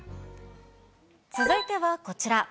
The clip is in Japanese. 続いてはこちら。